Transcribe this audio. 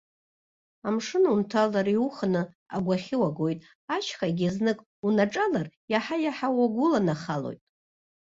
Амшын унҭалар, иуханы агәахьы уагоит, ашьхагьы знык унаҿалар, иаҳа-иаҳа уагәыланахалоит.